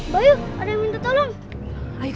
bayu ada yang minta tolong